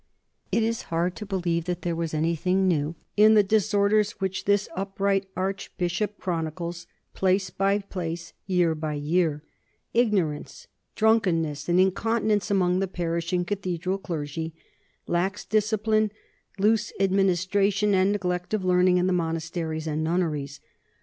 It is hard to believe that there was anything new in the dis orders which this upright archbishop chronicles place by place and year by year ignorance, drunkenness, and incontinence among the parish and cathedral clergy, lax discipline, loose administration, and neglect of learning in the monasteries and nunneries.